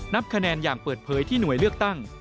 นับคะแนนอย่างเปิดเผยที่หน่วยเลือกตั้ง